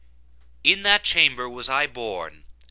In that chamber was I born.